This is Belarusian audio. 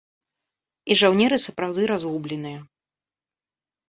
І жаўнеры сапраўды разгубленыя.